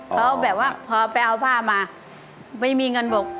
เขาแบบว่าพอไปเอาผ้ามาไม่มีเงินบอก